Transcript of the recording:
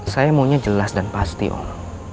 saya maunya jelas dan pasti om